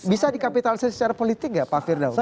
bisa dikapitalisasi secara politik nggak pak firdaus